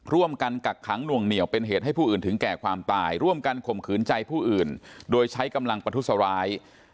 กักขังหน่วงเหนียวเป็นเหตุให้ผู้อื่นถึงแก่ความตายร่วมกันข่มขืนใจผู้อื่นโดยใช้กำลังประทุษร้าย